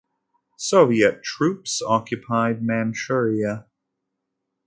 Soviet troops occupied Manchuria.